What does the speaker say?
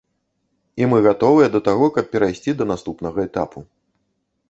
І мы гатовыя да таго, каб перайсці да наступнага этапу.